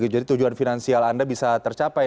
jadi tujuan finansial anda bisa tercapai